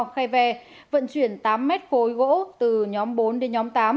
khai về vận chuyển tám mét khối gỗ từ nhóm bốn đến nhóm tám